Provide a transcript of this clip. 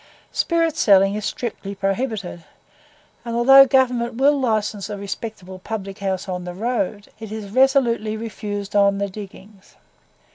Spirit selling is strictly prohibited; and although Government will license a respectable public house on the ROAD, it is resolutely refused ON the diggings.